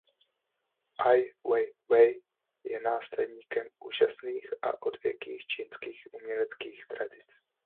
Aj Wej-wej je následníkem úžasných a odvěkých čínských uměleckých tradic.